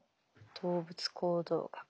動物行動学。